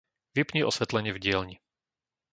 Vypni osvetlenie v dielni.